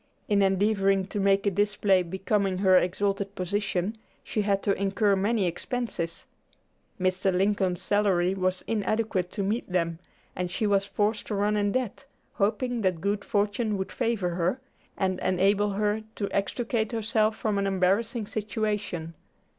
In endeavoring to make a display becoming her exalted position, she had to incur many expenses. Mr. Lincoln's salary was inadequate to meet them, and she was forced to run in debt, hoping that good fortune would favor her, and enable her to extricate herself from an embarrassing situation.